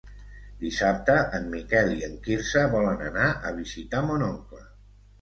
Dissabte en Miquel i en Quirze volen anar a visitar mon oncle.